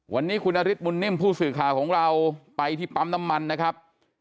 วันนี้คุณนฤทธบุญนิ่มผู้สื่อข่าวของเราไปที่ปั๊มน้ำมันนะครับ